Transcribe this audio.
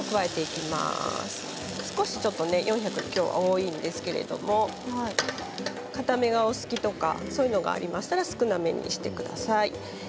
きょうちょっと４００で多いんですけれどもかためがお好きとかそういうのがありましたら少なめにしてください。